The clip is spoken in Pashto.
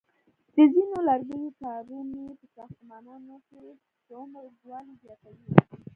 د ځینو لرګیو کارونې په ساختمانونو کې د عمر اوږدوالی زیاتوي.